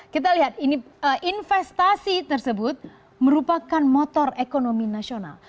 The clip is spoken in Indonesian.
kita lihat ini investasi tersebut merupakan motor ekonomi nasional